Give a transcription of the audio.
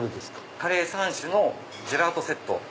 カレー３種のジェラートセット。